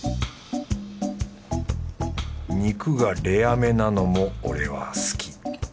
肉がレアめなのも俺は好き。